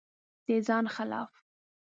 د ځان خلاف